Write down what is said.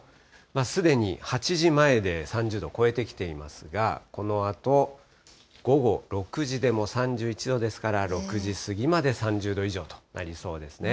すでに８時前で３０度超えてきていますが、このあと午後６時でも３１度ですから、６時過ぎまで３０度以上となりそうですね。